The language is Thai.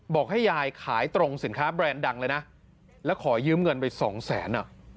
บอกให้ยายขายตรงสินค้าแบรนด์ดังเลยนะแล้วขอยืมเงินไปสองแสนอ่ะ